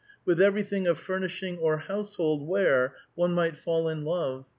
With everything of furnishing or household ware one might fall in love.